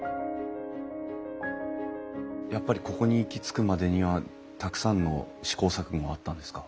やっぱりここに行き着くまでにはたくさんの試行錯誤があったんですか？